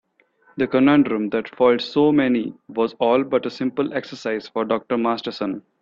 The conundrum that foiled so many was all but a simple exercise for Dr. Masterson.